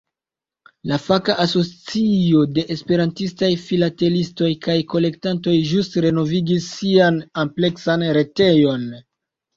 La faka asocio de esperantistaj filatelistoj kaj kolektantoj ĵus renovigis sian ampleksan retejon.